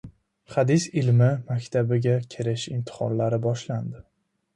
Hadis ilmi maktabiga kirish imtihonlari boshlandi